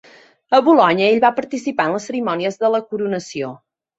A Bolonya ell va participar en les cerimònies de la coronació.